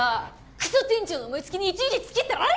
クソ店長の思いつきにいちいち付き合ってられっか！